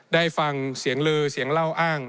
ได้ฟังเสียงลือเสียงเล่าอ้าง